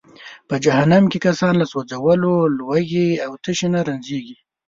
په جهنم کې کسان له سوځولو، لوږې او تشې نه رنجیږي.